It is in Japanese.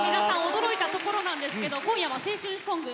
驚いたところなんですけど今日は青春ソング